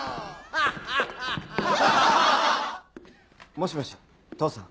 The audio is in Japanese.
もしもし父さん？